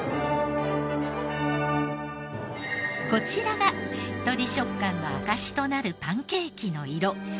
こちらがしっとり食感の証しとなるパンケーキの色